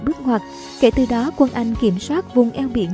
bước ngoặt kể từ đó quân anh kiểm soát vùng eo biển